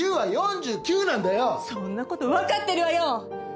そんな事わかってるわよ！